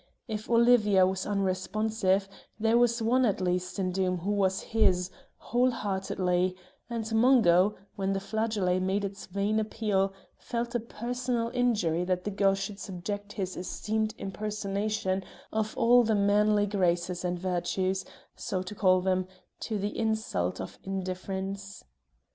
If Olivia was unresponsive, there was one at least in Doom who was his, whole heartedly, and Mungo, when the flageolet made its vain appeal, felt a personal injury that the girl should subject his esteemed impersonation of all the manly graces and virtues so to call them to the insult of indifference.